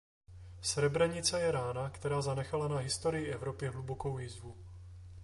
Srebrenica je rána, která zanechala na historii Evropy hlubokou jizvu.